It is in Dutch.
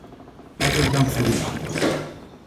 Hartelijk dank voor uw aandacht!